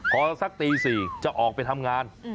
พอสักตี๔จะออกไปทำงาน